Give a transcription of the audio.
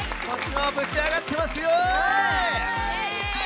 こっちもブチ上がってますよ！